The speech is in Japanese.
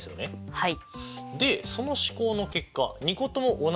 はい。